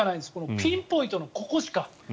ピンポイントのここしか。